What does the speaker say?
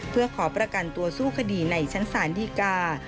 เพื่อขอประกันตัวสู้คดีในชั้นศาลดีกา